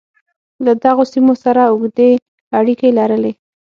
له دغو سیمو سره اوږدې اړیکې لرلې.